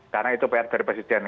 karena itu pr dari presiden